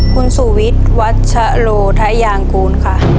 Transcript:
คุณสุวิตวัชโลไทยางกูลค่ะ